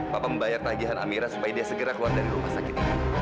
papa membayar tagihan amira supaya dia segera keluar dari rumah sakit